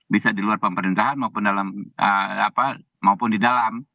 bisa di luar pemerintahan maupun di dalam